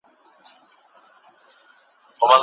تاسو واسطې ته اړتیا نلرئ.